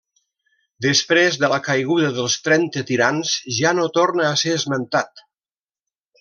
Després de la caiguda dels trenta tirans ja no torna a ser esmentat.